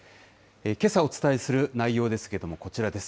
けさお伝えする内容ですけれども、こちらです。